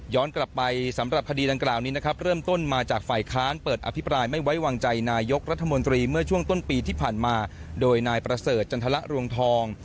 กลับไปสำหรับคดีดังกล่าวนี้นะครับเริ่มต้นมาจากฝ่ายค้านเปิดอภิปรายไม่ไว้วางใจนายกรัฐมนตรีเมื่อช่วงต้นปีที่ผ่านมาโดยนายประเสริฐจันทรรวงทอง